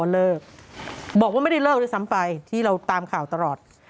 เลิกบอกว่าไม่ได้เลิกด้วยซ้ำไปที่เราตามข่าวตลอด